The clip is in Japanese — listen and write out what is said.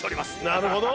なるほど！